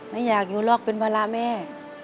ไม่อยากอยู่หรอกเป็นภาระแม่